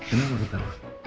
ini apa kita taruh